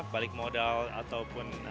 balik modal ataupun